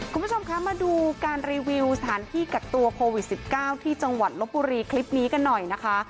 คุณผู้ชมคะมาดูการรีวิวสถานที่กักตัวโควิด๑๙ที่จังหวัดลบบุรีคลิปนี้กันหน่อยนะคะ